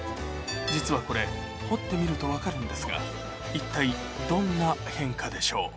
実はこれ掘ってみると分かるんですが一体どんな変化でしょう？